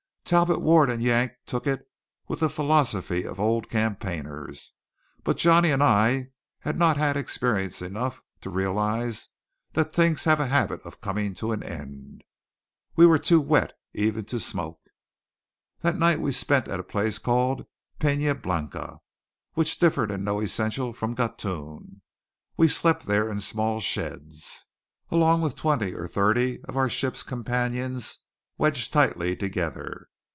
Talbot Ward and Yank took it with the philosophy of old campaigners; but Johnny and I had not had experience enough to realize that things have a habit of coming to an end. We were too wet even to smoke. That night we spent at a place called Pena Blanca, which differed in no essential from Gatun. We slept there in small sheds, along with twenty or thirty of our ship's companions wedged tightly together.